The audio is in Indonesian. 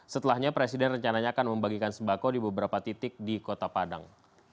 setelahnya presiden rencananya akan membagikan sembako di beberapa titik di kota padang